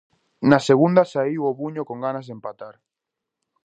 Na segunda saíu o Buño con ganas de empatar.